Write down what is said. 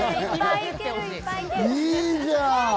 いいじゃん！